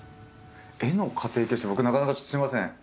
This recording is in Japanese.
絵の家庭教師って僕なかなかちょっとすいません